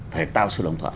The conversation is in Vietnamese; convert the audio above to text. phải tạo sự đồng thuận